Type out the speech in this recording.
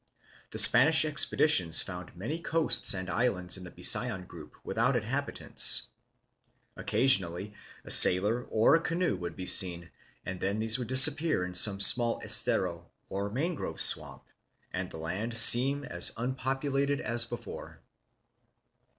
The Spanish expeditions found many coasts and islands in the Bisayan group without inhabitants. Occasionally a sail or a canoe would be seen, and then these would disappear in some small "estero" or mangrove swamp and the land seem as unpopulated as before.